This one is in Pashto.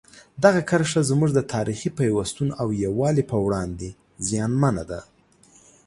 دغه کرښه زموږ د تاریخي پیوستون او یووالي په وړاندې زیانمنه ده.